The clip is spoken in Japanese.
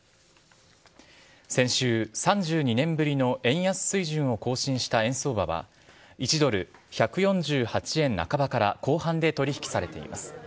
先週、３２年ぶりの円安水準を更新した円相場は、１ドル１４８円半ばから後半で取り引きされています。